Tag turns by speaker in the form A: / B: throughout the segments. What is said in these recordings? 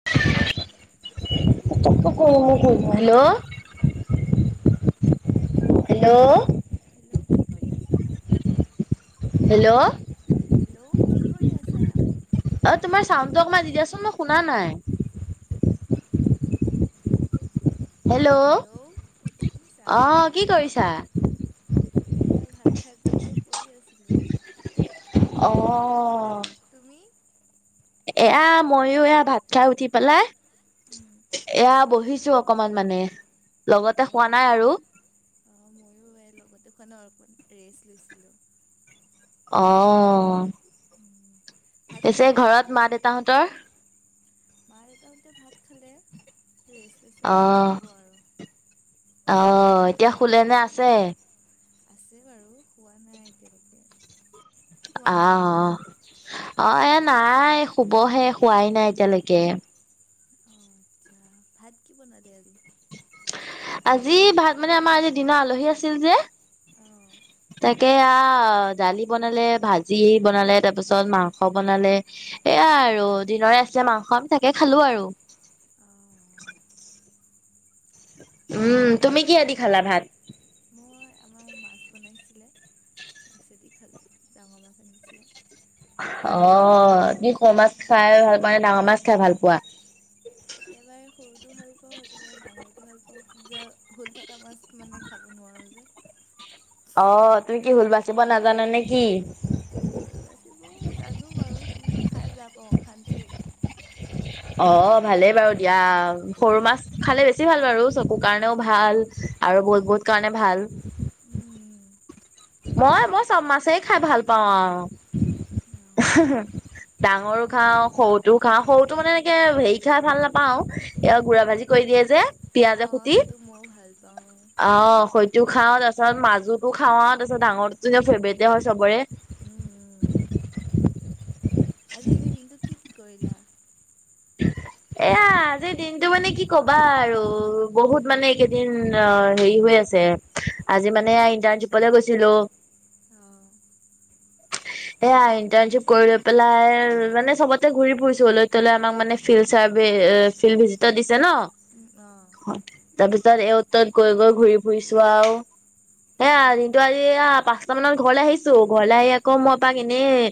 A: [unintelligible]
B: Hello
A: hello
B: hello
A: hello কি কৰি আছা
B: হেল্ল'
A: হেল্ল' কি কৰি আছা
B: অ তোমাৰ চাউণ্ডটো অকণমান দি দিয়াচোন মই শুনা নাই হেল্ল'
A: হেল্ল' এতিয়া শুনিছা
B: অ কি কৰিছা
A: এয়া ভাত খাই উঠি এতিয়া পঢ়ি আছিলো
B: অ
A: তুমি
B: এয়া ময়ো এইয়া ভাত খাই উঠি পেলাই
A: উম
B: এয়া বহিছো অকণমান মানে লগতে হোৱা
A: অঁ
B: নাই আৰু
A: ময়ো এই লগতে খোৱা ন অকণমান ৰেষ্ট লৈছিলো
B: অ
A: ভাত কিহে দি খালা
B: তহঁতৰ
A: মা দেউতাহঁতে ভাত খালে ৰেষ্ট লৈছে অকণমান
B: অঁ
A: শুব আৰু
B: অঁ এতিয়া শুলেনে আছে
A: আছে বাৰু হোৱা নাই এতিয়ালৈকে
B: আ
A: তোমালোকৰ
B: অ অ এ নাই শুবহে হোৱাই নাই এতিয়ালৈকে
A: ভাত কি বনালে আজি
B: আজি ভাত মানে আমাৰ আজি দিনত আলহী আছিল যে
A: অ
B: তাকে আ দালি বনালে ভাজি বনালে তাৰ পিছত মাংস বনালে এয়াই আৰু দিনৰে আছিলে মাংস আমি তাকে খালো আৰু
A: অঁ
B: উম তুমি কিহেদি খালা ভাত
A: মই আমাৰ মাছ বনাইছিলে মাছে দি খালোঁ ডাঙৰ মাছ আনিছিলে
B: অ তুমি সৰু মাছ খাই ভাল পোৱা নে ডাঙৰ মাছ খাই ভাল পোৱা
A: একেবাৰে সৰুতো ভাল পাওঁ একেবাৰে ডাঙৰটো ভাল পাওঁ যে হোল থকা মাছ মানে খাব নোৱাৰোঁ যে
B: অ তুমি কি হোল বাচিব নাজানা নেকি
A: হোল বাচিব জানো বাৰু কিন্তু খাই বেয়া পাওঁ অশান্তি লাগে
B: অ ভালেই বাৰু দিয়া সৰু
A: তুমি
B: মাছ খালে বে বেছি ভাল বাৰু চকুৰ কাৰণেও ভাল আৰু বহুত বহুত কাৰণে ভাল,
A: ওম ওম
B: মই মই চব মাছেই খাই ভাল পাওঁ ডাঙৰো খাওঁ সৰুটো খাওঁ সৰুটো মানে এনেকে হেৰি খাই ভাল নাপাওঁ এ গুড়া ভাজি কৰি দিয়ে যে পিয়াঁজে হোতি
A: মোৰো ভাল অ
B: অ হয়তো খাওঁ তাৰপাছত মাজুতো খাওঁ আৰু তাৰপাছত ডাঙৰ ফেভৰেটে হয় চবৰে
A: উম উম আজি এনে দিনটোত কি কি কৰিলা
B: এয়া আজিৰ দিনটো মানে কি কবা আৰু বহুত মানে এইকেইদিন অ হেৰি হৈ আছে আজি মানে ইণ্টাৰ্নশ্বিপলৈ গৈছিলোঁ।
A: অ
B: এয়া ইণ্টাৰ্নশ্বিপ কৰি লৈ পেলাই মানে চবতে ঘুৰি ফুৰিছোঁ অলৈ তলৈ আমাক মানে ফিল্ড চাৰ্ভি ফিল্ড ভিজিটত দিছে ন
A: অঁ
B: তাৰ পিছত এ তত গৈ গৈ ঘূৰি ফুৰিছোঁ আও। এয়া
A: অঁ
B: দিনটো আজি পাঁচটা মানত ঘৰলে আহিছো ঘৰলৈ আহি আকৌ মই পাক এনেই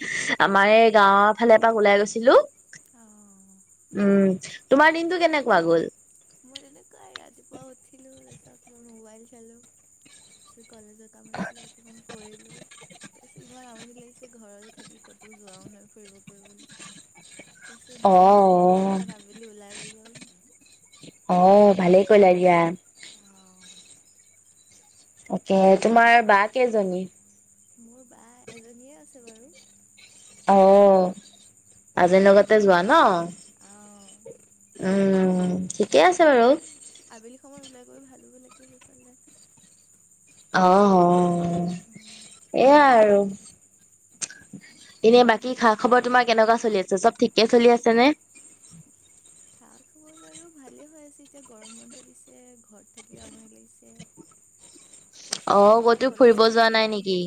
B: আমাৰ এই গাঁওৰ ফালে এপাক ওলাই গৈছিলোঁ।
A: আহ
B: উম তোমাৰ দিনটো কেনেকুৱা গ'ল?
A: মই যেনে কাই ৰাতিপুৱা উছিলো দে চক মই মোবাইল চালো তাৰপিছত কলেজৰ কাম আছিলে অকমান কৰিলো তাৰপিছত ইমান আমনি লাগিছে ঘৰতে থাকি ক'তো যোৱাও নহয় ফুৰিব কৰিবলৈ। তাৰপিছত
B: অ
A: বাহঁতৰ লগত অকমান আবেলি ওলাই গলো আৰু
B: অ ভালেই কলা দিয়া
A: অ
B: অকে তোমাৰ বা কেইজনী?
A: মোৰ বা এজনীয়ে আছে বাৰু
B: আহ আজিৰ লগতে যোৱা ন
A: অঁ
B: উম ঠিকে
A: আৰু
B: আছে বাৰু
A: এনেকৈ আবেলি সময়ত ওলাই গৈ ভাল হ'ব লাগে সেইফালে
B: অ অ
A: অঁ'
B: এয়াই আৰু এনে বাকী খাক খবৰ তোমাৰ কেনেকুৱা চলি আছে চব ঠিকে চলি আছেনে?
A: মোৰ বাৰু ভালে হৈ আছে এতিয়া গৰম বন্ধ দিছে। ঘৰত থাকিব আমনি লাগিছে
B: অ
A: তাৰপিছত কেতিয়া
B: ক'তো
A: কলেজ
B: ফুৰিব যোৱা
A: খুলিব
B: নাই
A: আৰু।
B: নেকি?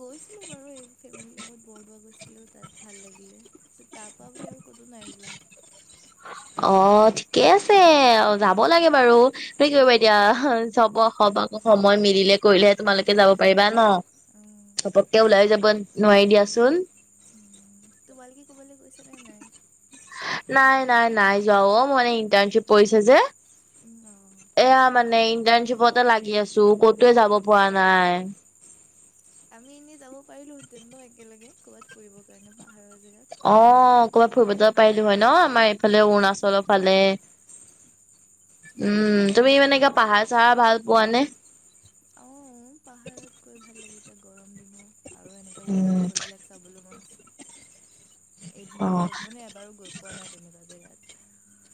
A: গৈছিলো বাৰু এই ফেমিলিৰ লগত বৰদোৱা গৈছিলো তাত ভাল লাগিলে। পিছত তাৰাপ পৰা বুলি আৰু ক'তো নাই যোৱা।
B: অ', ঠিকে আছে যাব লাগে বাৰু। কৰিবা এ
A: উম
B: দিয়া চাব হব আকৌ সময় মিলিলে কৰিলেহে তোমালোকে যাব
A: উম
B: পাৰিবা ঘপককে ওলাই যাব নোৱাৰি দিয়াচোন।
A: উম,। তোমালোকে কবালে গৈছা নে নাই?
B: নাই নাই নাই যোৱা অ মানে ইণ্টাৰ্ণশ্বিপ পৰিছে যে।
A: উম অ
B: এয়া মানে ইণ্টাৰ্ণশ্বিপতে লাগি আছো ক'তোৱে যাব পৰা নাই।
A: আমি এনেই যাব পাৰিলোহেঁতেন একেলগে কৰ'ৰবাত ফুৰিবৰ কাৰণে পাহাৰৰ জেগাত
B: অ', কৰবাত ফুৰিব যব পাৰিলো হয় ন' আমাৰ এইফালে অৰুণাচলৰ ফালে। উম, তুমি মানে কা পাহাৰ চাহাৰ ভাল পোৱা নে?
A: অ', পাহাৰত গৈ ভাল লাগে এতিয়া গৰম দিনত আৰু এনেকা
B: উম
A: ৱাটাৰ ফল বিলাক চাবলৈ মন আছে এদিনো
B: অ',
A: গৈ পোৱা নাই। বাৰু গৈ পোৱা নাই তেনেকুৱা জেগাত।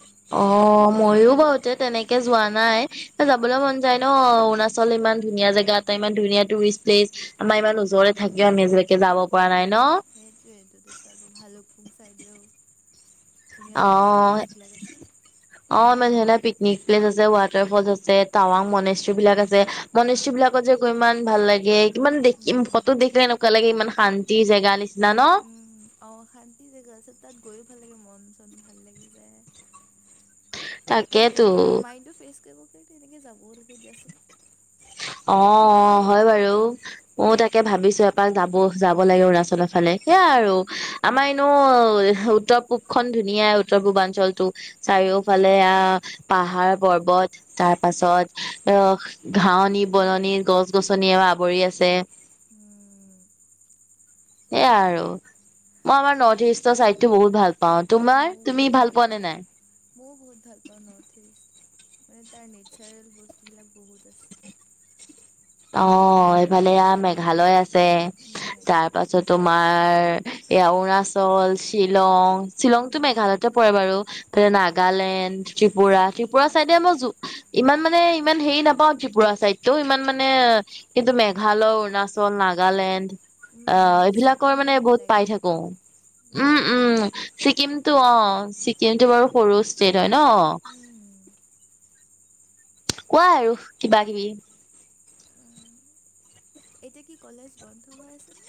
A: তুমি
B: অ',
A: গৈছানে
B: ময়ো বাৰু তে তেনেকে যোৱা নাই, যাবলৈ মন যায় ন, অৰুণাচল ইমান ধুনীয়া জোগা,
A: উম
B: এটা ইমান ধুনীয়া টুৰিষ্ট প্লেচ, আমাৰ ইমান
A: উম
B: ওজৰৰে থাকে আমি এজিলৈকে যাব পৰা নাই ন,
A: সেইটোৱেইটো, তাৰপাছত আকৌ ভালুকপুং চাইদেউ। ধুনীয়া, পিকনিক
B: অ'
A: প্লেচ বিলাক আছে।
B: অ, মানুহলে পিকনিক প্লেচ আছে, ৱাটাৰ ফল আছে, টাৱাং মনেশ্ৰী বিলাক আছে। মনষ্যী
A: উম,
B: বিলাকত যে ইমান ভাল লাগে, কিমান দেখিম ফটো দেখিলে এনেকুৱা লাগে ইমান শান্তি জেগা নিচিনা ন,
A: উম, অ, অশান্তি জেগা আছে তাত, গৈও ভাল লাগে মন চন ভাল লাগি যায়।
B: তাকে, তো।
A: মাইণ্ড ফ্ৰেচ কৰিব, এনেকে যাবও লাগে দিয়াচোন।
B: অ, অ, হয় বাৰু। অ, তাকে ভাবিছো এপাক যাব, যাব, লাগিব, অৰুণাচলৰ ফালে, সেয়া আৰু।
A: উম,
B: আমাৰ এনেও, উত্তৰ পূবখন ধুনীয়াই, উত্তৰ পূবাঞ্চলটো।
A: উম,
B: চাৰিওফালে আহ, পাহাৰ পৰ্বত তাৰ পাছত আহ ঘাহনি-
A: উম,
B: বননি, গছ-গছনি এও আৱৰি আছে।
A: উম, [inaudible]
B: সেয়াই আৰু মই আমাৰ নৰ্থ ইষ্টৰ চাইডতো, বহুত ভাল পাওঁ, তোমাৰ?
A: ময়ো
B: তুমি
A: বহুত ভাল
B: পোৱা নে
A: পাওঁ।
B: নাই
A: মইও বহুত ভাল পাওঁ নৰ্থ ইষ্ট, মানে তাৰ নেচাৰেল বস্তুবিলাক বহুত আছে। [inaudible]
B: অ,
A: বা-
B: এইফালে এয়া‌, মেঘালয় আছে,
A: উম,
B: তাৰ
A: মেঘালয় আছে,
B: পাছতো আমাৰ এইয়া, অৰুণাচল, শ্বিলং শ্বিলংটো
A: উম,
B: মেঘালয়তে পৰে বাৰু, নাগালেণ্ড, ত্ৰিপুৰা,
A: ছিকিম
B: ত্ৰিপুৰা চাইডে
A: আছে।
B: মই য ইমান মানে ইমান হেৰি নাপাওঁ, ত্ৰিপুৰা ছাইদটো ইমান মানে কিন্তু মেঘালয়, অৰুণাচল, নাগালেণ্ড। অ,
A: উম,
B: এইবিলাকৰ
A: ছিকিমো
B: মানে
A: ভাল
B: বহুত পাই
A: লাগে।
B: থাকো। উম, উম, ছিকিমতটো অ, ছিকিম টো বাৰু সৰু ষ্টেট হয় ন,
A: উম,
B: কোৱা আৰু কিবা-কিবি।
A: [unintelligible] এতিয়া কি কলেজ বন্ধ হৈ আছে নে?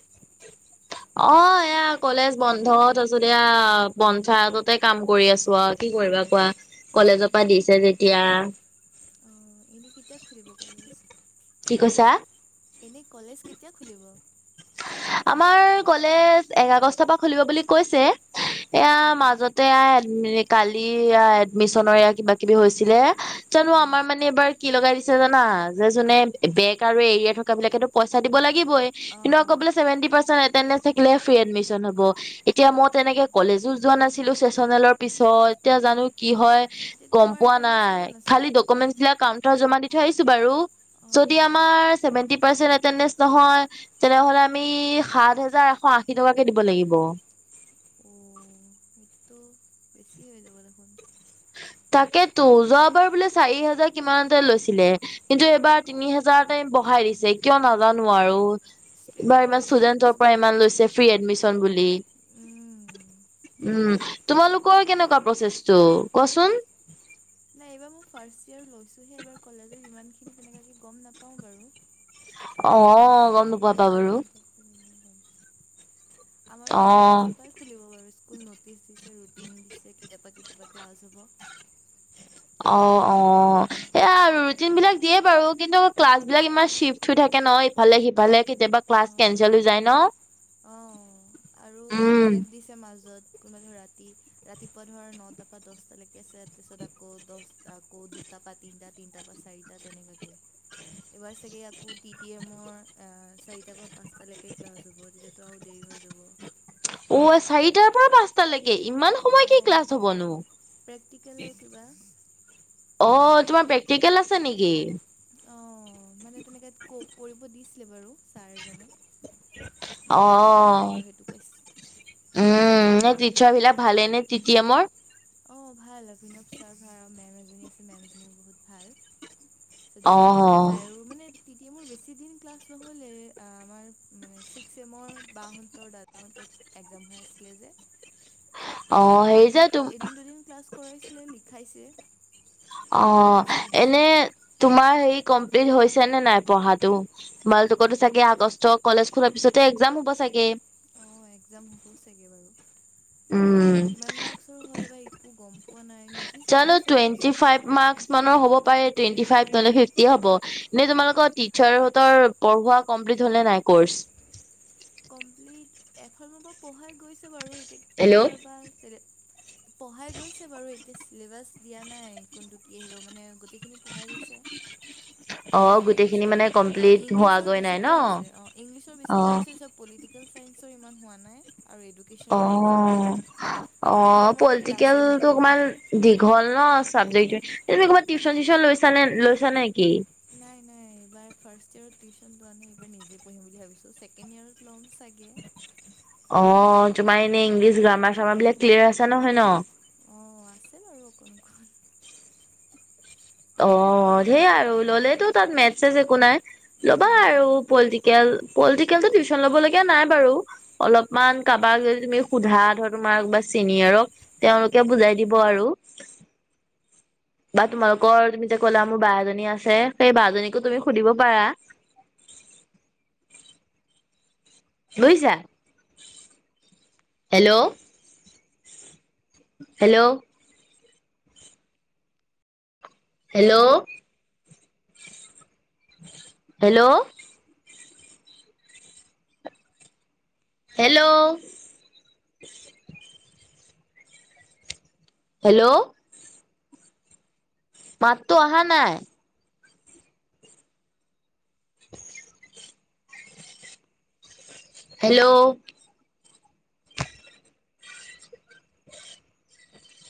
B: অ, এয়া কলেজ বন্ধ তাৰপিছত এয়া, পঞ্চায়ততে কাম কৰি‌ আছো আৰু কি কৰিবা কোৱা, কলেজৰ পৰা দিছে যেতিয়া
A: অ, এনেই কেতিয়া খুলিব কলেজ?
B: কি কৈছা?
A: এনেই, কলেজ কেতিয়া খুলিব?
B: আমাৰ কলেজ এক আগষ্টৰ পৰা খুলিব বুলি কৈছে। এয়া
A: অঁ
B: মাজতে, এই কালি এডমিশনৰ এয়া কিবা-কিবি হৈছিলে। জানো
A: উম,
B: আমাৰ মানে এইবাৰ কি লগাই দিছে জানা, যে যোনে বেগ আৰু এৰিয়া থকা বিলাকেতো পইচা দিব লাগিবই।
A: অঁ
B: কিন্তু আকৌ
A: অঁ
B: বোলে, seventy percent attendance free admission হ'ব, এতিয়া মই তেনেকে কলেজো যোৱা নাছিলো চেচনেলৰ পিছত। এতিয়া জানো কি হয়
A: এতিয়া
B: গম
A: তোমাৰ
B: পোৱা
A: এটেণ্ডেঞ্চ
B: নাই,
A: কিমান আছে?
B: খালি কমেণ্টছবিলাক কাউণ্টাৰত জমা দি থৈ আহিছোঁ বাৰু, যদি
A: অঁ
B: আমাৰ ছেভেনটি ছ, নহয় তেনে হ'লে আমি, সাত হাজাৰ এশ‌ আশী টকাকে দিব লাগিব।
A: অঁঅঁ। এইটোতো, বেছি হৈ যাব দেখোন।
B: তাকেতো যোৱাবাৰ বোলে চাৰি হাজাৰ কিমানতে লৈছিলে। কিন্তু, এইবাৰ তিনি হাজাৰতে বঢহাই দিছে। কিয় নাজানো আৰু।
A: ষ্ট্ৰিক্ট
B: এইবাৰ
A: কৰিছে ন
B: ষ্টুডেন্টৰ পৰা
A: কিছুমান
B: ইমান লৈছে ফ্ৰী এডমিশন বুলি।
A: উম।
B: উম, তোমালোকৰ কেনেকুৱা প্ৰচেছটো কোৱা চুন।
A: নাই এইবাৰ মই ফাৰ্ষ্ট ইয়াৰ লৈছোহে এইবাৰ কলেজত ইমান খিনি তেনে গম নাপাওঁ বাৰু।
B: অ। গম
A: চিনিয়ৰ
B: নোপোৱাবা
A: দাদা
B: বাৰু
A: হতক, আমাৰো
B: অ
A: এক আগষ্টৰ পৰাই খুলিব বাৰু স্কুল নটিচ দিছে, ৰুটিন দিছে, কেতিয়াবা কেতিয়াবা ক্লাছ হ'ব।
B: অ অ সেইয়া ৰুটিন বিলাক দিয়ে বাৰু কিন্তু ক্লাছ বিলাক ইমান চিফ্ট থৈ থাকে ন, ইফালে সিফালে কেতিয়াবা ক্লাছ কেচেল হৈ যায় ন।
A: অ আৰু বহুত
B: উম
A: গেফ দিছে। মাজত কোনোবা ধৰ ৰাতি ৰাতিপুৱা ধৰ নটাৰ পৰা দহটালৈকে আছে তাৰপিছত আকৌ দহ আকৌ দুটাৰ পৰা তিনটা তিনটাৰ পৰা চাৰিটা তেনেকাকে। এইবাৰ চাগে আকৌ টি টি এমৰ চাৰিটা বা পাঁচ, তালৈকে ক্লাছ হ'ব তেতিয়াতো আৰু দেৰি হৈ যাব।
B: অ চাৰিটাৰ পৰা পাঁচটালৈকে ইমান। সময় কি ক্লাছ
A: অঁ
B: হবনো
A: প্ৰেক্টিকেলৰ কিবা।
B: অ তোমাৰ প্ৰেক্টিকেল আছে নেকি?
A: অ মানে তেনেকে ক কৰিব দিছিলে বাৰু। ছাৰজনে কৰিব লাগিব
B: অ',
A: আৰু সেইটো কৈছে।
B: উম টিচাৰ বিলাক ভালে নে টি টি এমৰ।
A: অঁ ভাল [unintelligible] ছাৰ ভাল মেম এজনী আছে মেমজনীও বহুত ভাল। ত ধুনীয়াকে
B: অ',
A: বুজাই আৰু মানে। তেতিয়া মোৰ বেছি দিন ক্লাছ নহ'লে এ আমাৰ মানে ছিক্স এমৰ বাহতৰ দাদা। [unintelligible] এক্সাম হৈ আছিলে যে।
B: অ হেৰি যে তুমি,
A: দিন দুদিন ক্লাছ কৰাইছিলে, লিখাইছে।
B: অ
A: নোটছ দি দিছে
B: এনেই তোমাৰ হেৰি কমপ্লিট হৈছে নে নাই পঢ়াটো। মালটোকতো চাগে আগষ্ট কলেজ খোলাৰ পিছতে এক্জাম হ'ব চাগে।
A: অঁ এক্জাম হ'ব চাগৈ বাৰু।
B: উম,
A: কিমান মাৰ্কচৰ হয় বা, একো গম পোৱা নাই নটিচ
B: জানো
A: দিব চাগে
B: টুৱেন্টি
A: পিছত।
B: Five marks. মানৰ হ'ব পাৰে টুৱেণ্টি ফাইভ নহলে, ফিফটি হ'ব। এনেই তোমালোকৰ টিচাৰ হতৰ পঢ়োৱা কমপ্লিট হলে নাই কৰ্চ?
A: কমপ্লিট এফাল পৰা পঢ়াই গৈছে বাৰু এতিয়া কি
B: হেল্ল'
A: হয় বা। পঢ়াই গৈছে বাৰু এতিয়া চিলেবাচ দিয়া নাই, কোনটো কি আহিব মানে গতিকে, খিনি পঢহাই গৈছে।
B: অ',
A: বুজাই
B: গোটেইখিনি
A: গৈছে
B: মানে
A: অ
B: কমপ্লিট
A: ইংলিছৰ
B: হোৱাগৈ নাই ন?
A: বেছিকে হৈছে অ ইংলিছৰ বেছিকে
B: অ'।
A: হৈছে। চব পলিটিকেল চাইন্সৰ ইমান হোৱা নাই আৰু এদু
B: অ অ
A: টি টি এমৰটো ক্লাছেই হোৱা
B: পলিটিকেলটো
A: নাই।
B: অকমান, দীঘল ন চাবজেক্ট টো, এনেই ক'ৰবাত টিউচন চিউচন লৈছা লৈছা নেকি?
A: নাই নাই এইবাৰ ফাৰ্ষ্ট ইয়েৰত টিউচনোৱানে এইবাৰ নিজে পঢ়ম বুলি ভাবিছো ছেকেণ্ড ইয়েৰত ল'ম। চাগে।
B: অঁ তোমাৰ এনে ইংলিছ গ্ৰামাৰ চামাৰ বিলাক ক্লিয়াৰ আছে নহয় ন।
A: অঁ আছে বাৰু অকোন অ কোন।
B: অঁ সেয়া আৰু ল'লেতো তাত মেচজ একো নাই ল'বা আৰু।
A: উম
B: পলিটিকেল পলিটিকেলটো টিউচন ল'ব লগগীয়া নাই বাৰু। অলপমান কাৰোবাক যদি তুমি সোধা ধৰ তোমাৰ বা চেনি আৰুক
A: উম।
B: তেওঁলোকে বুজাই দিব আৰু। বা তোমালোকৰ তুমি যে কলা মোৰ ব এজনী আছে সেই বজনীকো তুমি সুধিব পাৰা। বুইচা। Hello! Hello! Hello! Hello! Hello! Hello. মাততো অহা নাই। হেলৌ।